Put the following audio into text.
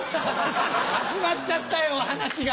始まっちゃったよ話が！